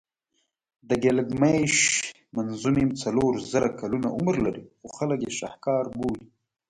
د ګیلګمېش منظومې څلور زره کلونه عمر لري خو خلک یې شهکار بولي.